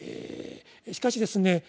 しかしですね